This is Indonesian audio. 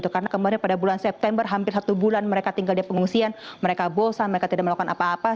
karena pada bulan september hampir satu bulan mereka tinggal di pengungsian mereka bosan mereka tidak melakukan apa apa